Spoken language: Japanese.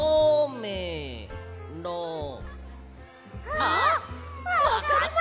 あっわかった！